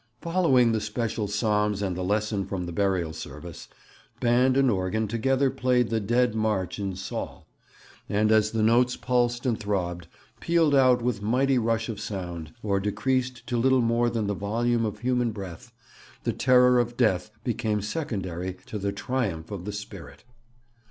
Following the special Psalms and the Lesson from the Burial Service, band and organ together played the Dead March in Saul; and as the notes pulsed and throbbed, pealed out with mighty rush of sound, or decreased to little more than the volume of human breath, the terror of death became secondary to the triumph of the spirit.